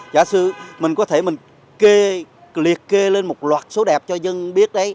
giả sử mình có thể liệt kê lên một loạt số đẹp cho dân biết